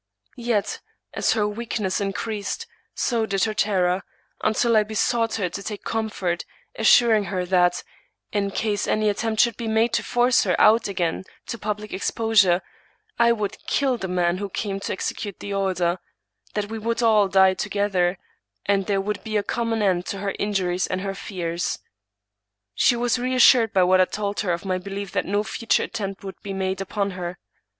Yet, as her weakness increased, so did her terror; until I besought her to take comfort, assuring her that, in case any attempt should be made to force her out again to public exposure, I would kill the man who came to execute the order — that we would all die together — and there would be a common end to her injuries and her fears. She was reassured by what I told her of my belief that no future attempt would be made upon her.